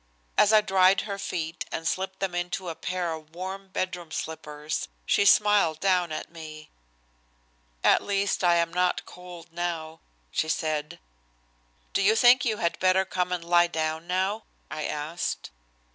As I dried her feet and slipped them into a pair of warm bedroom slippers she smiled down at me. "At least I am not cold now," she said. "Don't you think you had better come and lie down now?" I asked.